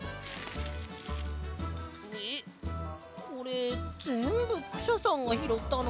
えっこれぜんぶクシャさんがひろったの？